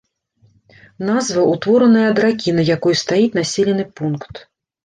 Назва ўтвораная ад ракі, на якой стаіць населены пункт.